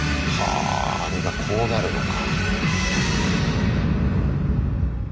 ああれがこうなるのか。